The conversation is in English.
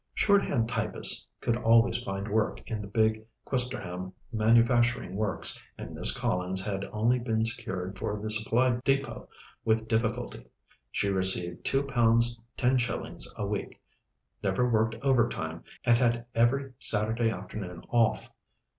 Shorthand typists could always find work in the big Questerham manufacturing works, and Miss Collins had only been secured for the Supply Depôt with difficulty. She received two pounds ten shillings a week, never worked overtime, and had every Saturday afternoon off.